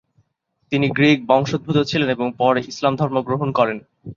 তিনি গ্রীক বংশোদ্ভুত ছিলেন এবং পরে ইসলাম ধর্ম গ্রহণ করেন।